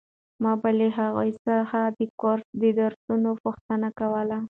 ما به له هغوی څخه د کورس د درسونو پوښتنې کولې.